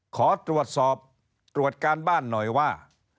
ขอตรวจสอบตรวจการบ้านหน่อยว่า